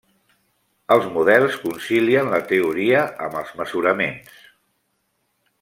Els models concilien la teoria amb els mesuraments.